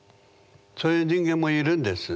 そういう人間もいるんです。